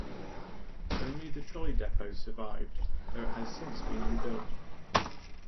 Only the trolley depot survived, though it has since been rebuilt.